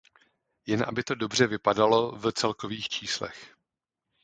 Jen aby to dobře vypadalo v celkových číslech.